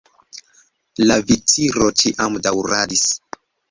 La viciro ĉiam daŭradis.